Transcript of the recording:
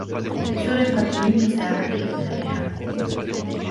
سُرقت مني ساعتي البارحة.